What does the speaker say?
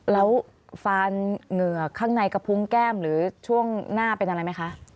แล้วฟานเหงื่อข้างในกระพุงแก้มหรือช่วงหน้าเป็นอะไรไหมคะ